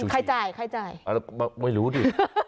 ใครจ่ายใครจ่ายไม่รู้ดิ